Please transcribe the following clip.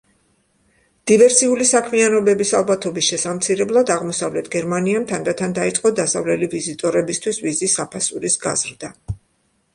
დივერსიული საქმიანობების ალბათობის შესამცირებლად, აღმოსავლეთ გერმანიამ თანდათან დაიწყო დასავლელი ვიზიტორებისთვის ვიზის საფასურის გაზრდა.